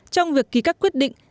trong việc ký các quyết định